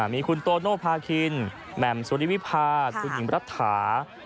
มีคุณโตโนภาคินแหม่มสุริวิพาคุณหญิงรัฐา